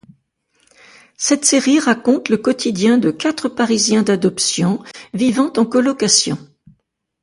Cette série raconte le quotidien de quatre parisiens d'adoption vivant en colocation.